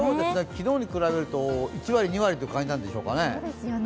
昨日に比べると１割、２割という感じなんでしょうかね。